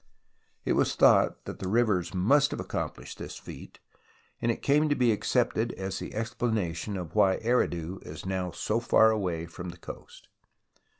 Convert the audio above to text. It was thought that the rivers must have accomplished this feat, and it came to be accepted as the explanation of why Eridu is now so far away from the coast.